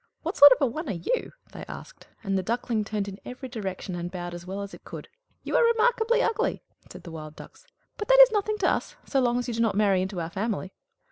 "What sort of a one are you?" they asked; and the Duckling turned in every direction, and bowed as well as it could. "You are remarkably ugly!" said the Wild Ducks. "But that is nothing to us, so long as you do not marry into our family."